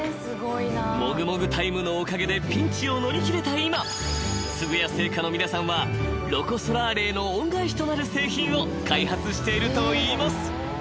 ［もぐもぐタイムのおかげでピンチを乗り切れた今津具屋製菓の皆さんはロコ・ソラーレへの恩返しとなる製品を開発しているといいます］